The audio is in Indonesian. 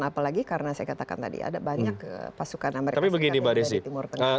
apalagi karena saya katakan tadi ada banyak pasukan amerika serikat yang dari timur tengah